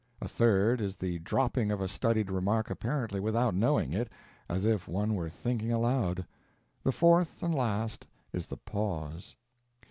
A third is the dropping of a studied remark apparently without knowing it, as if one where thinking aloud. The fourth and last is the pause.